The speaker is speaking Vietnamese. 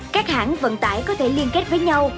các hãng vận tải có thể liên kết với nhau